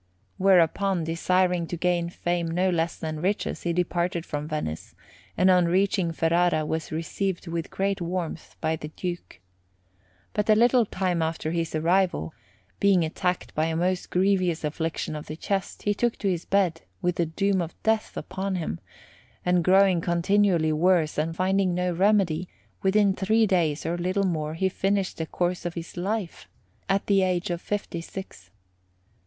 Whereupon, desiring to gain fame no less than riches, he departed from Venice, and on reaching Ferrara was received with great warmth by the Duke. But a little time after his arrival, being attacked by a most grievous affliction of the chest, he took to his bed with the doom of death upon him, and, growing continually worse and finding no remedy, within three days or little more he finished the course of his life, at the age of fifty six.